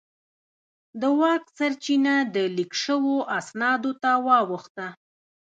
د واک سرچینه د لیک شوو اسنادو ته واوښته.